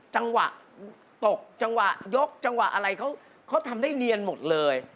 จังหวะตกจังหวะยกจังหวะอะไรเขาทำได้เนียนหมดเลย